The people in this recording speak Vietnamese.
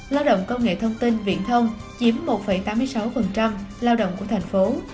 lao động công nghệ thông tin viện thông chiếm một tám mươi sáu lao động của thành phố